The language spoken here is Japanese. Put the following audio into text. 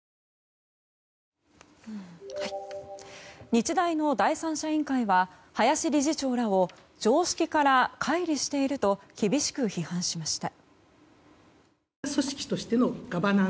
日大の第三者委員会は林理事長らを常識から乖離していると厳しく批判しました。